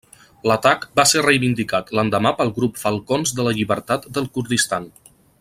L'atac va ser reivindicat l'endemà pel grup Falcons de la Llibertat del Kurdistan.